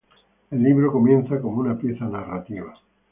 El libro comienza como una pieza narrativa.